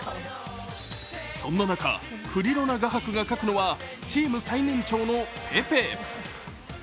そんな中、クリロナ画伯が描くのはチーム最年長のペペ。